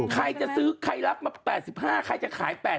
คัยจะซื้อคัยรับมา๘๕คัยจะขาย๘๐